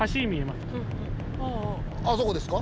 あそこですか？